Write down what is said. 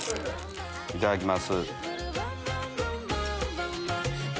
いただきます。